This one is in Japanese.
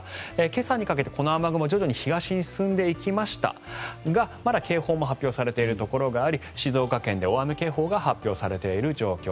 今朝にかけてこの雨雲徐々に東に進んでいきましたがまだ警報も発表されているところがあり静岡県で大雨警報が発表されている状況。